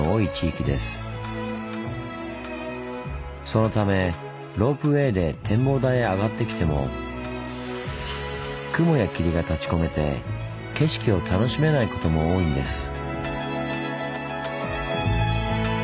そのためロープウエーで展望台へ上がってきても雲や霧が立ちこめて景色を楽しめないことも多いんです。